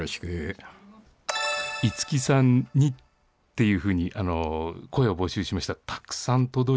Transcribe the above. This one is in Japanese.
五木さんにっていうふうに、声を募集しましたら、そうですか。